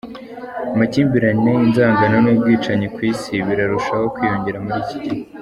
Amakimbirane, inzangano n’ubwicanyi ku isi birarushaho kwiyongera muri iki gihe.